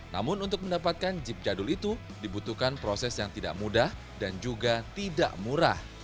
namun untuk mendapatkan jeep jadul itu dibutuhkan proses yang tidak mudah dan juga tidak murah